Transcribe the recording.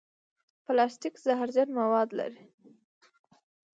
پلاستيک زهرجن مواد لري.